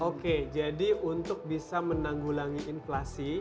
oke jadi untuk bisa menanggulangi inflasi